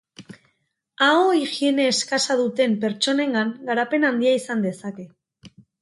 Aho-higiene eskasa duten pertsonengan garapen handia izan dezake.